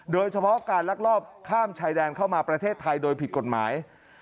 โดยเฉพาะการลักลอบข้ามชายแดนเข้ามาประเทศไทยโดยผิดกฎหมาย